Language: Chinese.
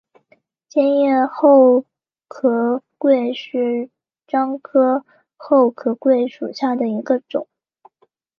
尖叶厚壳桂为樟科厚壳桂属下的一个种。